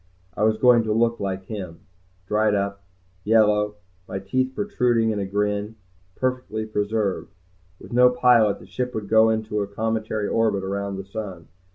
I was going to look like him, dried up, yellow, my teeth protruding in a grin, perfectly preserved. With no pilot, the ship would go into a cometary orbit around the sun.